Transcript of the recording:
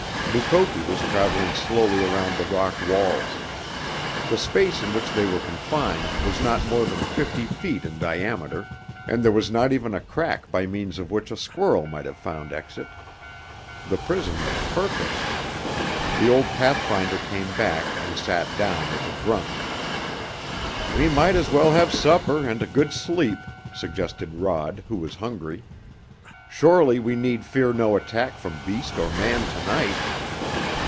Mukoki was traveling slowly around the rock walls. The space in which they were confined was not more than fifty feet in diameter, and there was not even a crack by means of which a squirrel might have found exit. The prison was perfect. The old pathfinder came back and sat down with a grunt. "We might as well have supper and a good sleep," suggested Rod, who was hungry. "Surely we need fear no attack from beast or man to night!"